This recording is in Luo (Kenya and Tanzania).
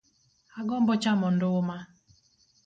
Agombo chamo nduma